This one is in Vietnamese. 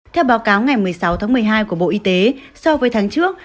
theo báo cáo ngày một mươi sáu tháng một mươi hai của bộ y tế so với tháng trước